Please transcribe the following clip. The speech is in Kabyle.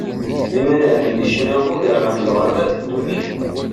Sliman Ɛazem yecna ugar ɣef lɣerba d ddunnit.